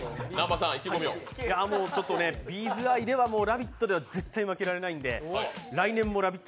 Ｂ’ｚ愛では「ラヴィット！」では負けられないので来年もＬＯＶＥＩＴ！